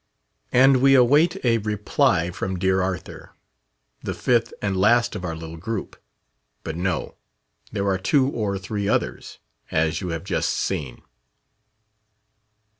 And we await a reply from "Dear Arthur" the fifth and last of our little group. But no; there are two or three others as you have just seen.